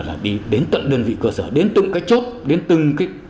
là đi đến tận đơn vị cơ sở đến từng cái chốt đến từng cái